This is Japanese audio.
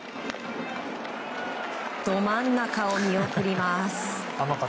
ど真ん中を見送ります。